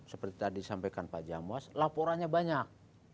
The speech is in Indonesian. seperti tadi sampaikan pak jamwas laporannya banyak